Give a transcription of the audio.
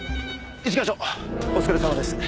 一課長お疲れさまです。